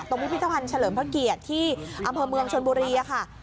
พิพิธภัณฑ์เฉลิมพระเกียรติที่อำเภอเมืองชนบุรีค่ะ